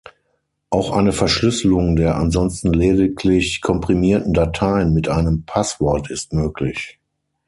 Auch eine Verschlüsselung der ansonsten lediglich komprimierten Dateien mit einem Passwort ist möglich.